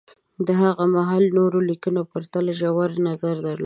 د هغه مهال نورو لیکنو پرتله ژور نظر درلود